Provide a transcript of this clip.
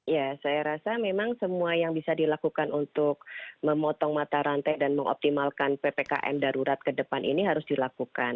ya saya rasa memang semua yang bisa dilakukan untuk memotong mata rantai dan mengoptimalkan ppkm darurat ke depan ini harus dilakukan